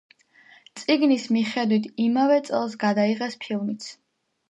წიგნის მიხედვით იმავე წელს გადაიღეს ფილმიც.